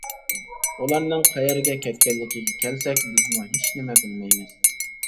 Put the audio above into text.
ئۇلارنىڭ قەيەرگە كەتكەنلىكىگە كەلسەك بىزمۇ ھېچنېمە بىلمەيمىز.